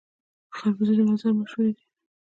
خربوزې د مزار مشهورې دي